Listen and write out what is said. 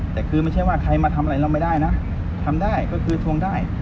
แต่คือไม่ใช่ว่าใครมาทำอะไรเราไม่ได้นะทำได้ก็คือทวงได้